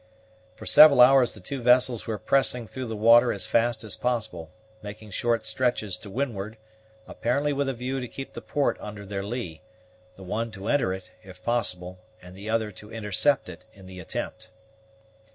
For several hours the two vessels were pressing through the water as fast as possible, making short stretches to windward, apparently with a view to keep the port under their lee, the one to enter it if possible, and the other to intercept it in the attempt.